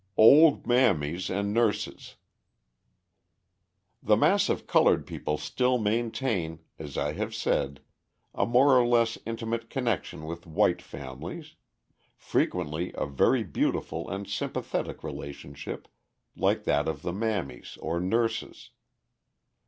Old Mammies and Nurses The mass of coloured people still maintain, as I have said, a more or less intimate connection with white families frequently a very beautiful and sympathetic relationship like that of the old mammies or nurses.